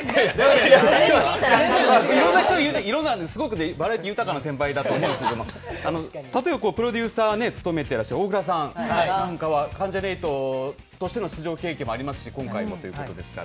いろんな人いるんで、すごくね、バラエティー豊かな先輩だと思うんですけど、例えば、プロデューサーを務めていらっしゃる大倉さんなんかは、関ジャニ∞としての出場経験もありますし、今回もということですから。